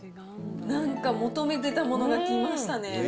なんか、求めてたものが来ましたね。